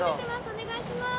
お願いします。